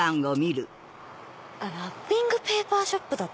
ラッピングペーパーショップだ。